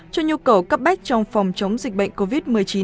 cho nhu cầu cấp bách trong phòng chống dịch bệnh covid một mươi chín